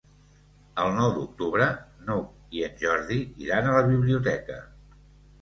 El nou d'octubre n'Hug i en Jordi iran a la biblioteca.